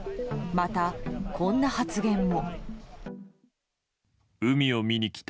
また、こんな発言も。